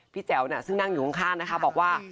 แจ๋วซึ่งนั่งอยู่ข้างนะคะบอกว่า